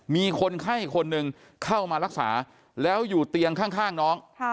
มีคนไข้คนหนึ่งเข้ามารักษาแล้วอยู่เตียงข้างน้อง